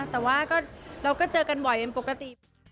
แต่ว่าเราก็เจอกันบ่อยเป็นปกติ